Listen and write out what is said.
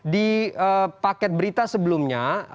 di paket berita sebelumnya